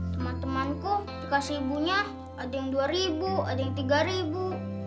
teman temanku dikasih ibunya ada yang dua ribu ada yang tiga ribu